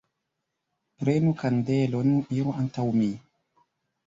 Prenu kandelon, iru antaŭ mi!